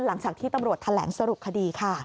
หลังจากที่ตำรวจแถลงสรุปคดีค่ะ